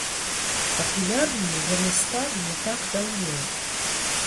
Папулярнымі яны сталі не так даўно.